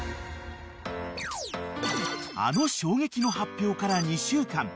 ［あの衝撃の発表から２週間］